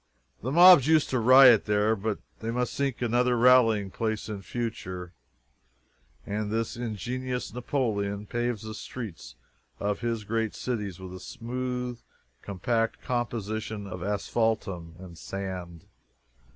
The mobs used to riot there, but they must seek another rallying place in future. And this ingenious Napoleon paves the streets of his great cities with a smooth, compact composition of asphaltum and sand.